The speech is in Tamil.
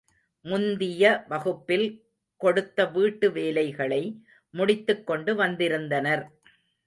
முந்திய வகுப்பில் கொடுத்த வீட்டு வேலைகளை முடித்துக் கொண்டு வந்திருந்தனர்.